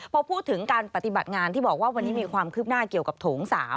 พอพูดถึงการปฏิบัติงานที่บอกว่าวันนี้มีความคืบหน้าเกี่ยวกับโถง๓